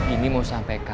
ini mau sampai kemana